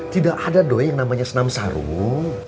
tidak ada dong yang namanya senam sarung